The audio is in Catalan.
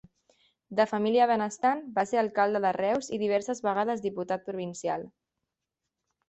De família benestant, va ser alcalde de Reus i diverses vegades diputat provincial.